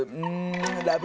『ラブ！！